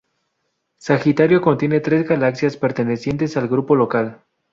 Sagitario contiene tres galaxias pertenecientes al Grupo Local.